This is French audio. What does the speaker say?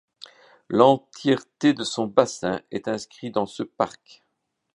L'entièreté de son bassin est inscrit dans ce parc.